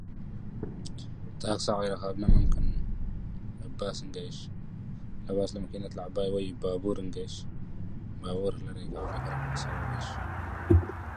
General Douglas MacArthur oversaw the re-building of Japan.